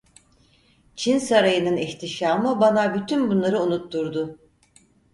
Çin sarayının ihtişamı bana bütün bunları unutturdu?